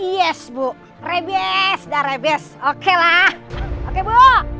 yes bu rebes dah rebes oke lah oke bu